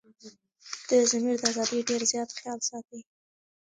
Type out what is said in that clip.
دضمير دازادي ډير زيات خيال ساتي